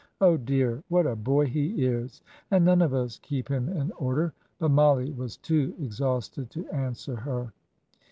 Oh, dear, what a boy he is! And none of us keep him in order;" but Mollie was too exhausted to answer her.